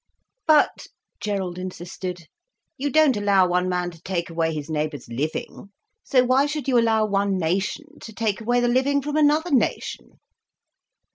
"But," Gerald insisted, "you don't allow one man to take away his neighbour's living, so why should you allow one nation to take away the living from another nation?"